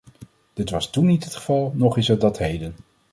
Dit was toen niet het geval, noch is het dat heden.